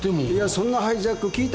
そんなハイジャック聞いたことない。